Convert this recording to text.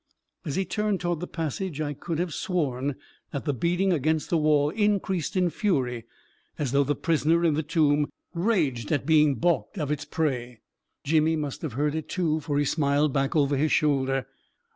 " As he turned toward the passage, I could have sworn that the beating against the wall increased in fury, as though the prisoner in the tomb raged at 324 A KING IN BABYLON * being balked of its prey. Jimmy must have heard it too, for he smiled back over his shoulder.